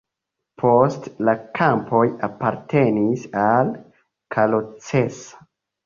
Poste la kampoj apartenis al Kalocsa.